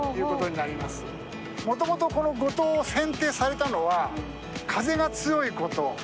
もともとこの五島を選定されたのは風が強いこと。